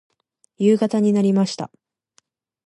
夕方になりました。